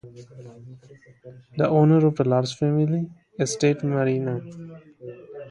The owner of the large family estate Marinka.